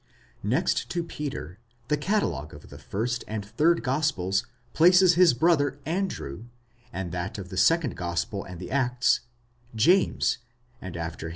Next to Peter, the catalogue of the first and third gospels places his brother Andrew ; that of the second gospel and the Acts, James, and after him, John.